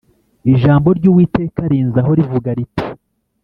Ijambo ry Uwiteka rinzaho rivuga riti